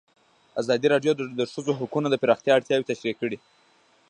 ازادي راډیو د د ښځو حقونه د پراختیا اړتیاوې تشریح کړي.